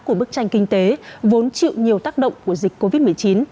của bức tranh kinh tế vốn chịu nhiều tác động của dịch covid một mươi chín